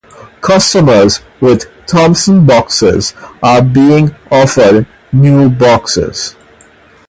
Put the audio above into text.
Customers with Thomson boxes are being offered New boxes.